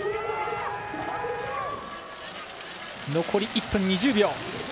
残り１分２０秒。